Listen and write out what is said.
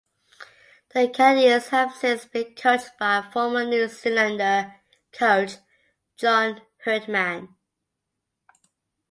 The Canadians have since been coached by former New Zealander coach John Herdman.